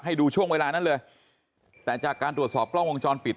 ดูช่วงเวลานั้นเลยแต่จากการตรวจสอบกล้องวงจรปิด